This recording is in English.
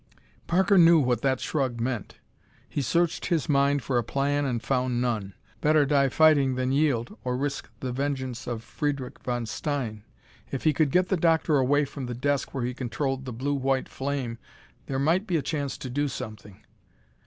Parker knew what that shrug meant. He searched his mind for a plan and found none. Better die fighting than yield, or risk the vengeance of Friedrich von Stein. If he could get the doctor away from the desk where he controlled the blue white flame there might be a chance to do something.